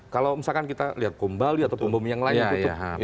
kalau misalkan kita lihat kumbali atau bumbum yang lain itu tuh